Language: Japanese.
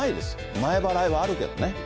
前払いはあるけどね。